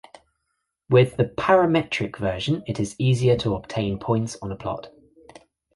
With the parametric version it is easier to obtain points on a plot.